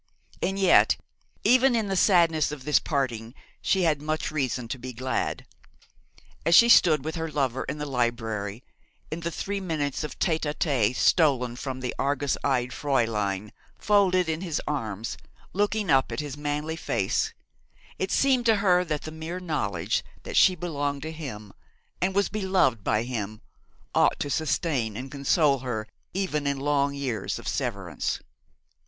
And yet, even in the sadness of this parting, she had much reason to be glad. As she stood with her lover in the library, in the three minutes of tête à tête stolen from the argus eyed Fräulein, folded in his arms, looking up at his manly face, it seemed to her that the mere knowledge that she belonged to him and was beloved by him ought to sustain and console her even in long years of severance.